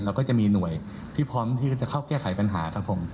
ก็จะมีหน่วยที่พร้อมที่จะเข้าแก้ไขปัญหาครับผม